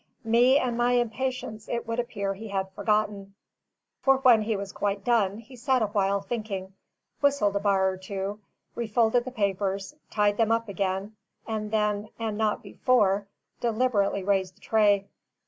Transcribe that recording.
Me and my impatience it would appear he had forgotten; for when he was quite done, he sat a while thinking, whistled a bar or two, refolded the papers, tied them up again; and then, and not before, deliberately raised the tray.